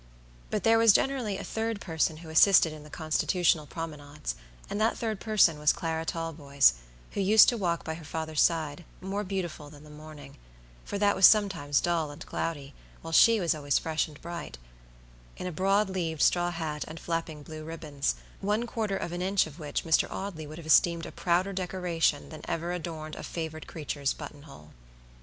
But there was generally a third person who assisted in the constitutional promenades, and that third person was Clara Talboys, who used to walk by her father's side, more beautiful than the morningfor that was sometimes dull and cloudy, while she was always fresh and brightin a broad leaved straw hat and flapping blue ribbons, one quarter of an inch of which Mr. Audley would have esteemed a prouder decoration than ever adorned a favored creature's button hole.